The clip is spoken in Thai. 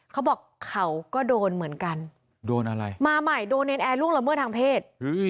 เขาบอกเขาก็โดนเหมือนกันโดนอะไรมาใหม่โดนเนรนแอร์ล่วงละเมิดทางเพศ